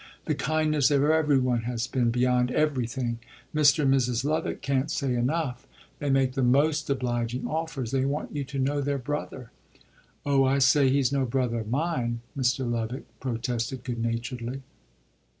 "The kindness of every one has been beyond everything. Mr. and Mrs. Lovick can't say enough. They make the most obliging offers. They want you to know their brother." "Oh I say, he's no brother of mine," Mr. Lovick protested good naturedly.